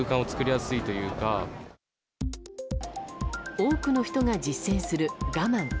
多くの人が実践する我慢。